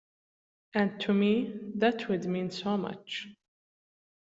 And to me that would mean so much.